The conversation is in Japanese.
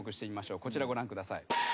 こちらご覧ください。